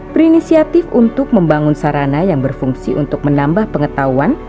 berinisiatif untuk membangun sarana yang berfungsi untuk menambah pengetahuan